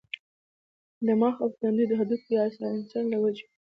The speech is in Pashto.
د مخ او تندي د هډوکو يا سائنسز له وجې